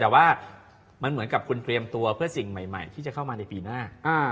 แต่ว่ามันเหมือนกับคุณเตรียมตัวเพื่อสิ่งใหม่ที่จะเข้ามาในปีหน้า